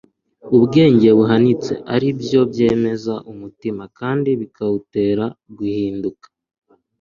ubwenge buhanitse ari byo byemeza umutima kandi bikawutera guhinduka